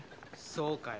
そうかよ